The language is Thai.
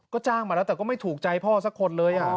ก็จ้างมาแล้วแต่ก็ไม่ถูกใจพ่อสักคนเลย